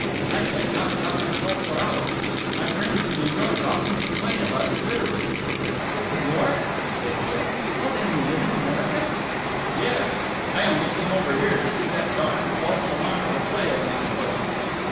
I can talk about myself for hours. My friends in New York often complain about it bitterly." "New York?" said Jill. "Oh, then you live in America?" "Yes. I only came over here to see that darned false alarm of a play of mine put on."